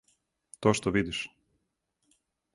То што видиш.